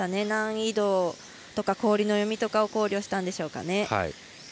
難易度とか氷の読みを考慮したんでしょうか。